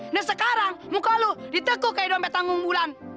nah sekarang muka lo ditekuk kayak dompet tanggung bulan